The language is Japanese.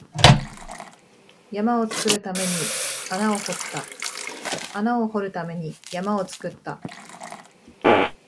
山を作るために穴を掘った、穴を掘るために山を作った